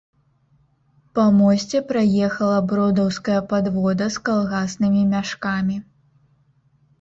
Па мосце праехала бродаўская падвода з калгаснымі мяшкамі.